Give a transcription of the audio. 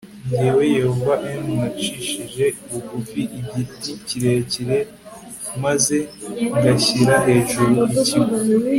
jyewe Yehova m nacishije bugu igiti kirekire n maze ngashyira hejuru ikigu